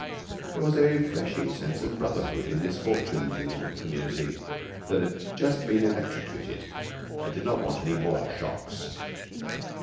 There was a refreshing sense of brotherhood in misfortunes in the little community that had just been electrocuted and did not want any more shocks.